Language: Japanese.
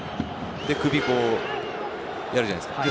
首をやるじゃないですか。